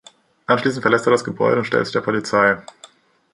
Anschließend verlässt er das Gebäude und stellt sich der Polizei.